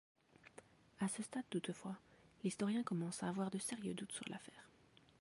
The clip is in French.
À ce stade toutefois, l’historien commence à avoir de sérieux doutes sur l’affaire.